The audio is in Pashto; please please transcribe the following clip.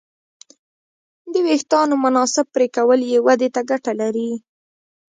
د وېښتیانو مناسب پرېکول یې ودې ته ګټه لري.